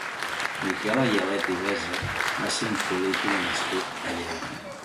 Miquel Agelet i Besa va ser un polític nascut a Lleida.